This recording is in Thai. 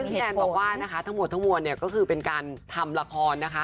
พี่แนนบอกว่านะคะทั้งหมดทั้งมวลเนี่ยก็คือเป็นการทำละครนะคะ